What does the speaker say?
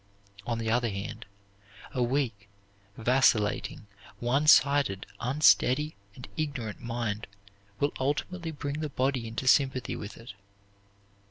On the other hand, a weak, vacillating, one sided, unsteady, and ignorant mind will ultimately bring the body into sympathy with it.